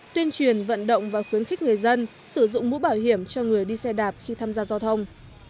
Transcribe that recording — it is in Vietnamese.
tuyên truyền vận động và khuyến khích người dân sử dụng mũ bảo hiểm cho người đi xe đạp khi tham gia giao thông